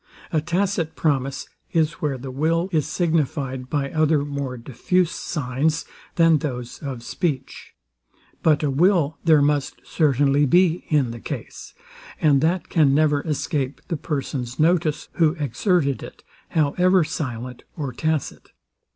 A tacit promise is, where the will is signified by other more diffuse signs than those of speech; but a will there must certainly be in the case, and that can never escape the person's notice, who exerted it, however silent or tacit.